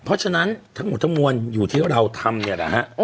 เพราะฉะนั้นทั้งหมดทั้งมวลอยู่ที่เราทำเนี่ยแหละฮะ